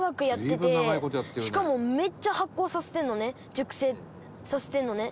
熟成させてるのね。